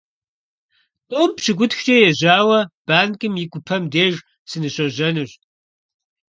ТIум пщыкIутхукIэ ежьауэ банкым и гупэм деж сыныщожьэнущ.